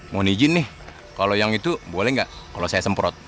mohon izin nih kalau yang itu boleh nggak kalau saya semprot